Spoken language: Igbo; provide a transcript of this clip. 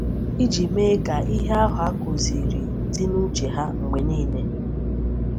iji mee ka ihe ahụ a kụziri dị n'uche ha mgbe niile